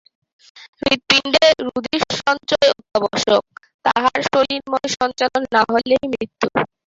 হৃৎপিণ্ডে রুধিরসঞ্চয় অত্যাবশ্যক, তাহার শরীরময় সঞ্চালন না হইলেই মৃত্যু।